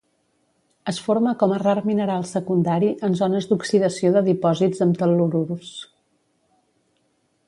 Es forma com a rar mineral secundari en zones d'oxidació de dipòsits amb tel·lururs.